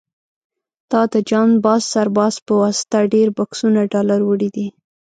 تا د جان باز سرفراز په واسطه ډېر بکسونه ډالر وړي دي.